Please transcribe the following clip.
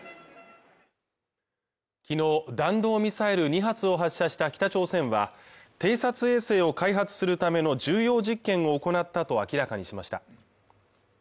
きのう弾道ミサイル２発を発射した北朝鮮は偵察衛星を開発するための重要実験を行ったと明らかにしました